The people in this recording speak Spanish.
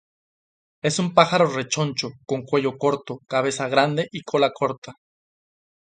Es un pájaro rechoncho, con cuello corto, cabeza grande y cola corta.